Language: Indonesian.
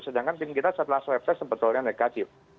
sedangkan tim kita setelah swab test sebetulnya negatif